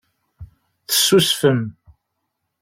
Tessusfem.